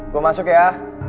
gue masuk ya